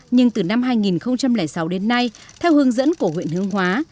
nhưng từ năm hai nghìn sáu đến nay theo hướng dẫn của huyện hương hóa